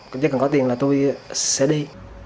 chứ cần có tiền là tôi sẽ đi